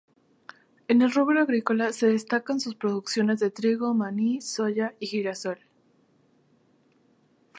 En el rubro agrícola se destacan sus producciones de trigo, maní, soja, girasol.